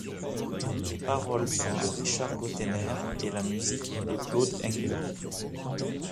Les paroles sont de Richard Gotainer et la musique de Claude Engel.